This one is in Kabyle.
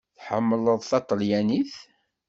Tḥemmleḍ taṭelyanit?